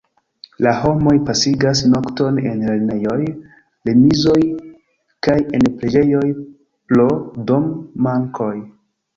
La homoj pasigas nokton en lernejoj, remizoj kaj en preĝejoj pro dom-mankoj.